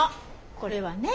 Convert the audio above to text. これはね